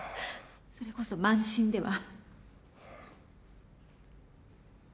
それこそ慢心では？